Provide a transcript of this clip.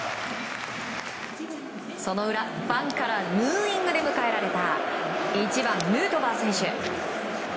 その裏、ファンからヌーイングで迎えられた１番、ヌートバー選手。